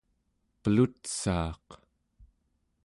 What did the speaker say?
pelutsaaq